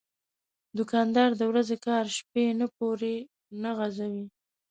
دوکاندار د ورځې کار شپه نه پورې نه غځوي.